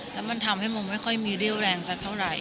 แล้วมันทำให้มุมไม่ค่อยมีเรี่ยวแรงสักเท่าไหร่